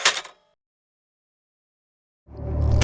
นี่นี่นี่